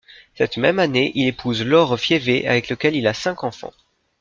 Cette même année, il épouse Laure Fiévé, avec laquelle il a cinq enfants.